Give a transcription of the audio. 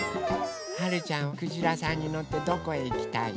はるちゃんはくじらさんにのってどこへいきたい？